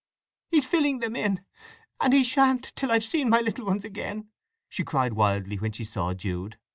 "He's filling them in, and he shan't till I've seen my little ones again!" she cried wildly when she saw Jude.